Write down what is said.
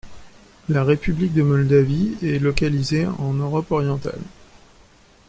La république de Moldavie est localisée en Europe orientale.